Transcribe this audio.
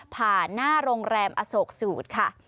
หน้าโรงแรมอโศกสูตรค่ะ